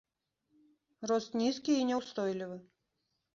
Рост нізкі і няўстойлівы.